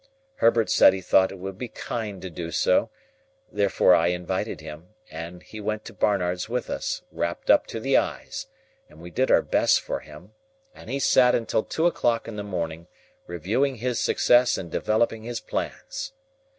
Herbert said he thought it would be kind to do so; therefore I invited him, and he went to Barnard's with us, wrapped up to the eyes, and we did our best for him, and he sat until two o'clock in the morning, reviewing his success and developing his plans.